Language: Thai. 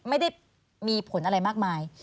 ไม่ได้มีผลอะไรมากมาย